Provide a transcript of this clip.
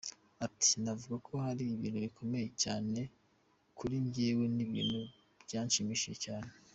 Ati “Navuga ko ari ibintu bikomeye cyane kuri njyewe, ni ibintu byanshimishije cyane.